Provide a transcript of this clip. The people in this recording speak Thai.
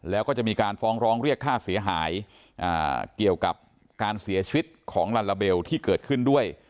แล้วก็จะมีการฟ้องร้องเรียกค่าเสียหายเกี่ยวกับการเสียชีวิตของลาลาเบลที่เกิดขึ้นด้วย